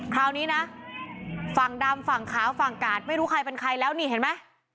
คราวนี้นะฝั่งดำฝั่งขาวฝั่งกาดไม่รู้ใครเป็นใครแล้วนี่เห็นไหม